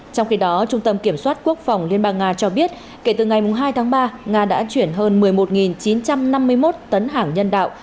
trong khi đó trung tâm kiểm soát quốc phòng liên bang nga cho biết kể từ ngày hai tháng ba nga đã chuyển hơn một mươi một chín trăm năm mươi một tấn hàng nhân đạo